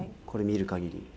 これを見る限り。